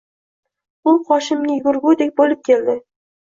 U qoshimga yugurgudek boʻlib keldi